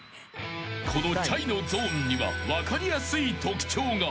［このｃｈａｙのゾーンには分かりやすい特徴が］